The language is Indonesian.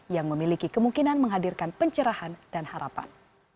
yang memiliki kemungkinan menghadirkan pencerahan dan harapan